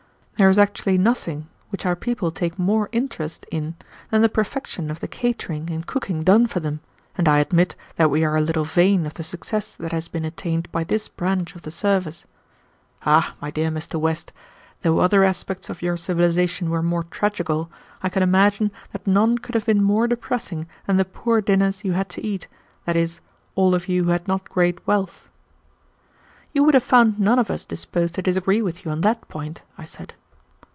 There is actually nothing which our people take more interest in than the perfection of the catering and cooking done for them, and I admit that we are a little vain of the success that has been attained by this branch of the service. Ah, my dear Mr. West, though other aspects of your civilization were more tragical, I can imagine that none could have been more depressing than the poor dinners you had to eat, that is, all of you who had not great wealth." "You would have found none of us disposed to disagree with you on that point," I said.